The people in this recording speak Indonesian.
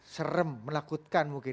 serem menakutkan mungkin